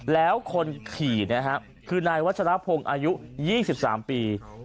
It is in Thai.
แล้วคนขี่นะฮะคือนายวัชรพงศ์อายุ๒๓ปี